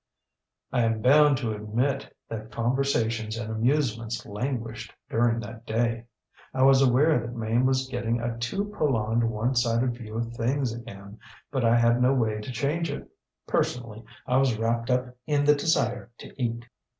ŌĆ£I am bound to admit that conversations and amusements languished during that day. I was aware that Mame was getting a too prolonged one sided view of things again, but I had no way to change it. Personally, I was wrapped up in the desire to eat.